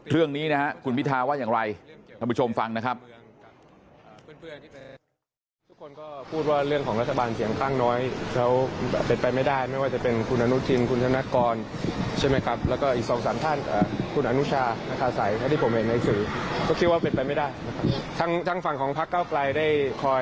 เรื่องนี้นะฮะคุณพิทาว่าอย่างไรท่านผู้ชมฟังนะครับ